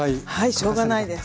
しょうがないです。